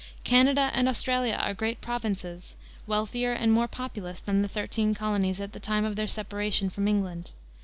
Canada and Australia are great provinces, wealthier and more populous than the thirteen colonies at the time of their separation from England.